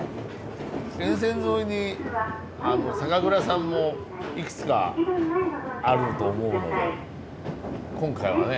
沿線沿いに酒蔵さんもいくつかあると思うので今回はね